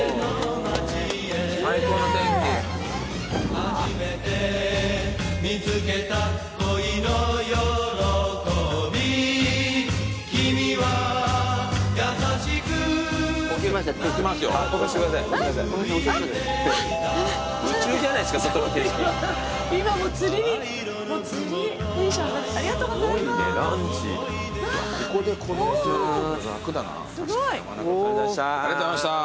おすごい！ありがとうございました。